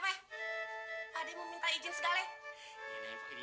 ada yang meminta izin sekali